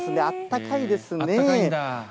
あったかいですね。